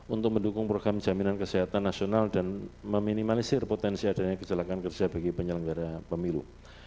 untuk mendukung program jaminan kesehatan nasional dan meminimalisir potensi adanya kecelakaan kerja bagi penyelenggara pemilu